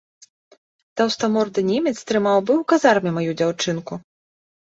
Таўстаморды немец трымаў бы ў казарме маю дзяўчынку.